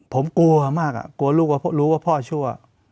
ผมกลัวมากกลัวลูกรู้ว่าพ่อชั่ว